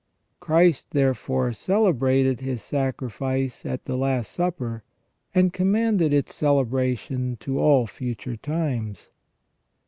Christ therefore celebrated His sacrifice at the Last Supper, and commanded its celebration to all future times.